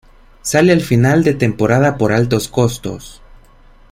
Sale a final de temporada por altos costos.